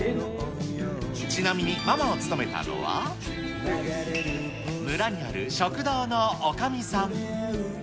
ちなみに、ママを務めたのは、村にある食堂のおかみさん。